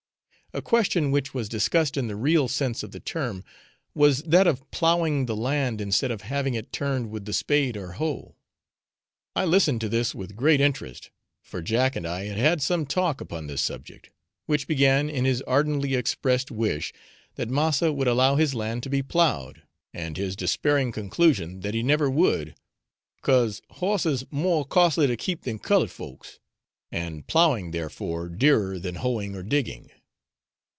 A question which was discussed in the real sense of the term, was that of ploughing the land instead of having it turned with the spade or hoe. I listened to this with great interest, for Jack and I had had some talk upon this subject, which began in his ardently expressed wish that massa would allow his land to be ploughed, and his despairing conclusion that he never would, ''cause horses more costly to keep than coloured folks,' and ploughing, therefore, dearer than hoeing or digging.